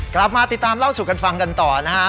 กลับมาติดตามเล่าสู่กันฟังกันต่อนะฮะ